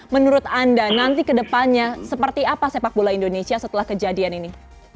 menurut anda nanti kedepannya seperti apa sepak bola indonesia setelah kejadian ini